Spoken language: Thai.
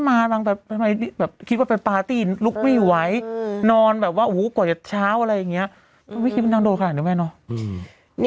เอาจริงว่าคนไม่รู้ก็เอ้าเงี้ยเวลาแบบ